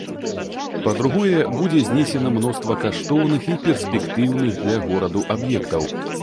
Па-другое, будзе знесена мноства каштоўных і перспектыўных для гораду аб'ектаў.